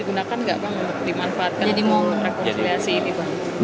jadi mau rekonsiliasi ini bang